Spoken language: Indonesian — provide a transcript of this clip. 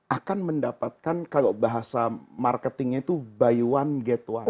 akan mendapatkan kalau bahasa marketingnya itu by one gate one